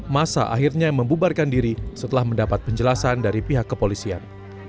masa akhirnya membubarkan diri setelah mendapat penjelasan dari pihak kepolisian